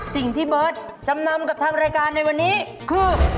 เบิร์ตจำนำกับทางรายการในวันนี้คือ